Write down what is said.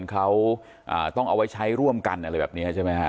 เขาต้องเอาไว้ใช้ร่วมกันอะไรแบบนี้ใช่ไหมฮะ